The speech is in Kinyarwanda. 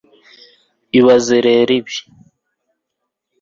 ibaze rero ibi